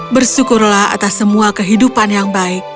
bersyukurlah atas semua kehidupanmu